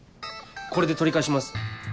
これで取り返します。